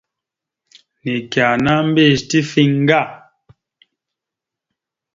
Neke ana mbiyez tife ŋga.